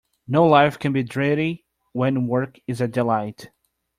No life can be dreary when work is a delight.